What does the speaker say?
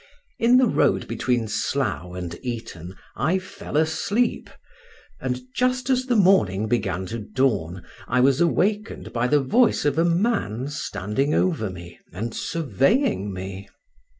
In the road between Slough and Eton I fell asleep, and just as the morning began to dawn I was awakened by the voice of a man standing over me and surveying me.